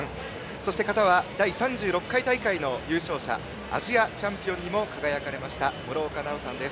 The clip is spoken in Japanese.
そして、形は第３６回大会の優勝者アジアチャンピオンにも輝かれました、諸岡奈央さんです。